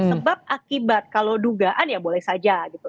sebab akibat kalau dugaan ya boleh saja gitu